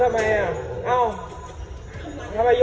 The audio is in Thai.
สำคัญ